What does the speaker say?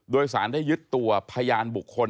โดยสารได้ยึดตัวพยานบุคคล